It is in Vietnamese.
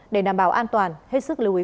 để đảm bảo an toàn hết sức lưu ý